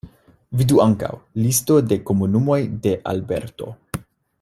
Vidu ankaŭ: Listo de komunumoj de Alberto.